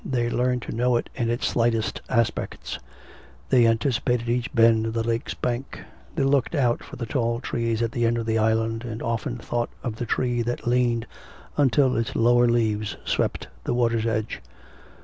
They learnt to know it in its slightest aspects; they anticipated each bend of the lake's bank; they looked out for the tall trees at the end of the island, and often thought of the tree that leaned until its lower leaves swept the water's edge.